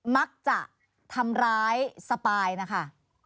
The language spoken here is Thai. มักจะทำร้ายสปายนะคะ